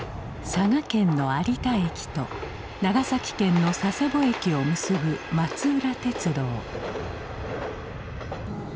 佐賀県の有田駅と長崎県の佐世保駅を結ぶ松浦鉄道。